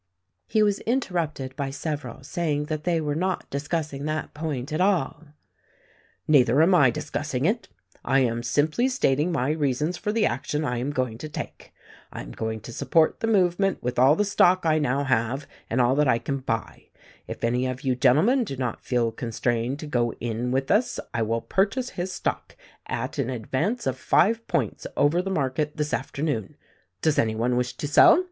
He was interrupted by several saying that they were not discussing that point at all. "Neither am I discussing it. I am simply stating my reasons for the action I am going to take. I am going to support the movement with all the stock I now have and all that I can buy. If any of you gentlemen do not feel con strained to go in with us I will purchase his stock at an advance of five points over the market this afternoon. Does any one wish to sell